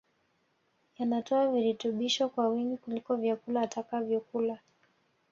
yanatoa virutubisho kwa wingi kuliko vyakula atakavyokula